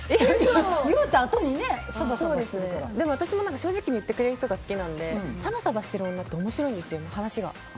言うたあとに私も正直に言ってくれる人が好きなのでサバサバしてる女って面白いんですよ、話が。